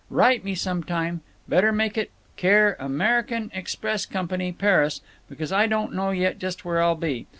Write me some time, better make it care Amer. Express Co., Paris, because I don't know yet just where I'll be.